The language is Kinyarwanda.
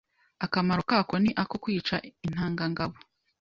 akamaro kako ni ako kwica intangangabo,